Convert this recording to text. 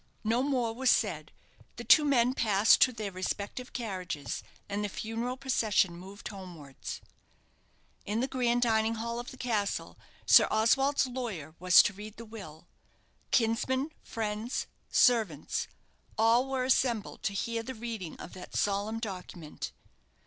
No more was said. The two men passed to their respective carriages, and the funeral procession moved homewards. In the grand dining hall of the castle, Sir Oswald's lawyer was to read the will. Kinsmen, friends, servants, all were assembled to hear the reading of that solemn document.